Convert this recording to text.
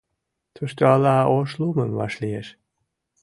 Тушто ала Ошлумым вашлиеш.